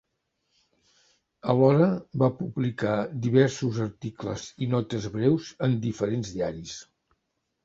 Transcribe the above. Alhora, va publicar diversos articles i notes breus en diferents diaris.